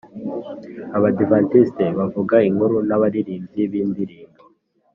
abadiventiste bavuga inkuru n'abaririmbyi b'indirimbo.